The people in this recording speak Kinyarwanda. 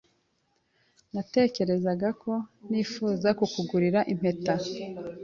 Natekerezaga ko nifuza kukugurira impeta.